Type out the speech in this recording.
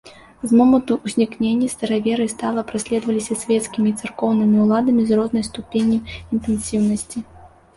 З моманту ўзнікнення стараверы стала праследаваліся свецкімі і царкоўнымі ўладамі з рознай ступенню інтэнсіўнасці.